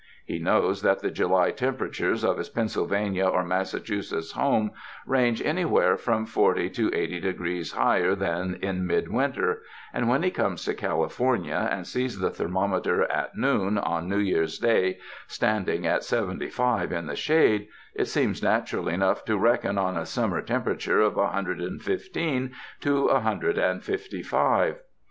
He knows that the July temperatures of his Pennsylvania or Massachu setts home range anywhere from forty to eighty de grees higher than in midwinter and when he comes to California and sees the thermometer at noon on New Year's Day standing at seventy five in the shade, it seems natural enough to reckon on a sum mer temperature of a hundred and fifteen to a hun dred and fifty five